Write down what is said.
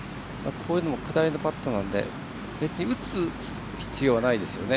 下りのパットなので別に打つ必要はないですよね。